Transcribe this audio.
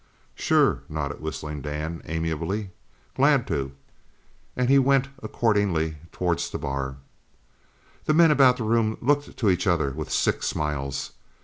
"Sure!" nodded Whistling Dan amiably, "glad to!" and he went accordingly towards the bar. The men about the room looked to each other with sick smiles.